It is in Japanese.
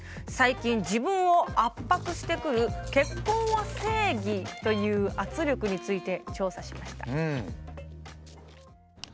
最近自分を圧迫してくる「結婚は正義」という圧力について調査しました。